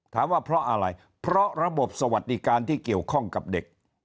ว่าเพราะอะไรเพราะระบบสวัสดิการที่เกี่ยวข้องกับเด็ก